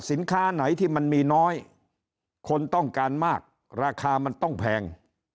สินค้าไหนที่มันมีน้อยคนต้องการมากราคามันต้องแพง